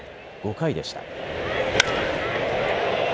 ５回でした。